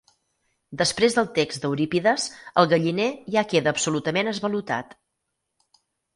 Després del text d'Eurípides, el galliner ja queda absolutament esvalotat.